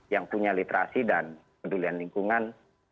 yang punya literasi dan pedulian lingkungan